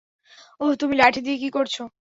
ওহ তুমি লাঠি দিয়ে কি করছো?